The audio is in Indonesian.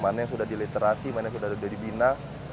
mana yang sudah diliterasi mana yang sudah dibina